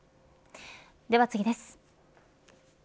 では次です。